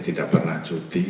tidak pernah cuti